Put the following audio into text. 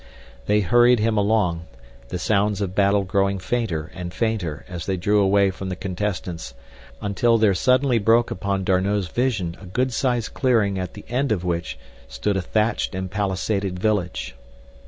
They hurried him along, the sounds of battle growing fainter and fainter as they drew away from the contestants until there suddenly broke upon D'Arnot's vision a good sized clearing at one end of which stood a thatched and palisaded village.